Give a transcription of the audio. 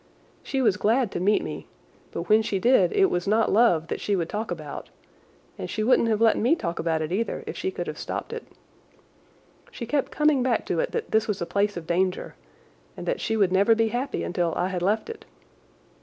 She was glad to meet me, but when she did it was not love that she would talk about, and she wouldn't have let me talk about it either if she could have stopped it. She kept coming back to it that this was a place of danger, and that she would never be happy until I had left it.